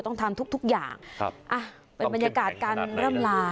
ต้องทำทุกทุกอย่างครับอ่ะเป็นบรรยากาศการร่ำลา